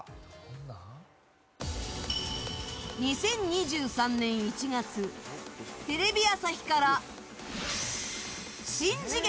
２０２３年１月テレビ朝日から新次元！